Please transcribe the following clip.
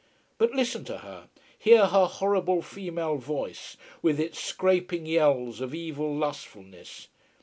But listen to her. Hear her horrible female voice with its scraping yells of evil lustfulness.